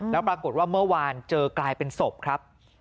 แล้วปรากฏว่าเมื่อวานเจอกลายเป็นศพครับ